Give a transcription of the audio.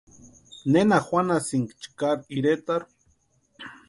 ¿Nena juanhasïnki chkari iretarhu?